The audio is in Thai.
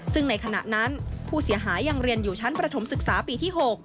ซึ่งในขณะนั้นผู้เสียหายยังเรียนอยู่ชั้นประถมศึกษาปีที่๖